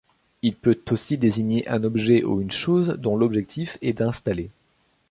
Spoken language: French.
Il peut aussi désigner un objet ou une chose dont l'objectif est d'installer.